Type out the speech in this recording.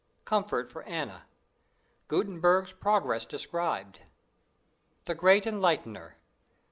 Comfort for Anna. Gutenberg's Progress described. The Great Enlightener.